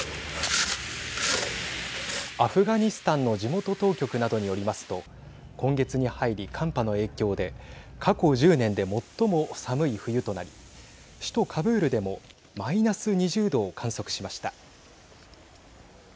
アフガニスタンの地元当局などによりますと今月に入り寒波の影響で過去１０年で最も寒い冬となり首都カブールでもマイナス２０度を観測しました。